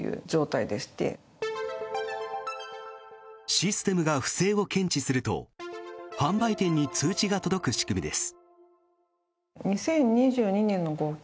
システムが不正を検知すると販売店に通知が届く仕組みです。